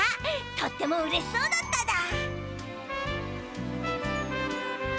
とってもうれしそうだっただ。